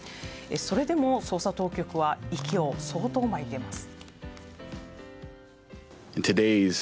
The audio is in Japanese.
それでも捜査当局は息を相当巻いています。